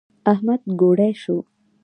احمد ګوړۍ شو.